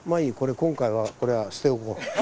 今回はこれは捨て置こう。